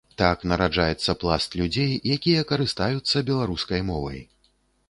Так нараджаецца пласт людзей, якія карыстаюцца беларускай мовай.